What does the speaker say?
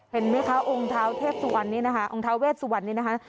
เห็นมั้ยคะองค์ท้าเวทสุวรรณนี้นะคะ